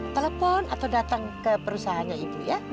telepon atau datang ke perusahaannya ibu ya